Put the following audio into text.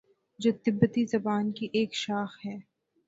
جو تبتی زبان کی ایک شاخ ہے